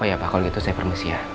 oh iya pak kalau gitu saya permisi ya